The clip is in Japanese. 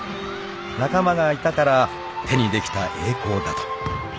［仲間がいたから手にできた栄光だと］